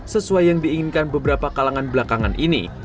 sesuai yang diinginkan beberapa kalangan belakangan ini